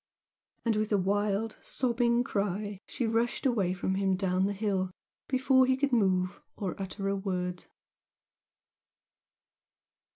And with a wild, sobbing cry she rushed away from him down the hill before he could move or utter a word.